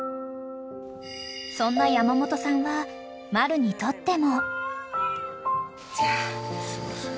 ［そんな山本さんはマルにとっても］